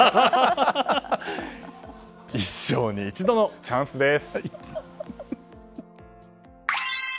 一生に一度のチャンスです。